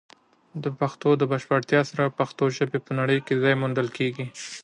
د پښتو د بشپړتیا سره، د پښتو ژبې په نړۍ کې ځای موندل کیږي.